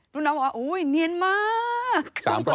รุ่นน้องบอกว่าอุ้ยเนียนมาก